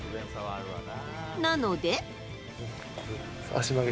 なので。